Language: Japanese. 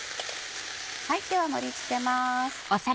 では盛り付けます。